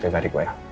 terima kasih pak ya